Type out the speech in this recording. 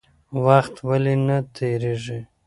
وخت ولې نه تېرېږي؟